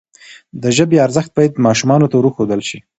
د ژبي ارزښت باید ماشومانو ته وروښودل سي.